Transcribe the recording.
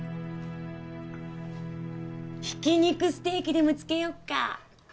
ひき肉ステェキでもつけようか？